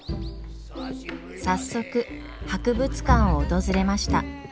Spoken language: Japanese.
早速博物館を訪れました。